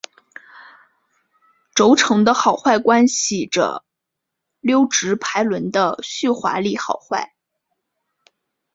轴承的好坏关系着溜直排轮的续滑力好坏。